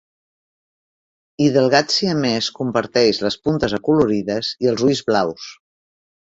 I del gat siamès comparteix les puntes acolorides i els ulls blaus.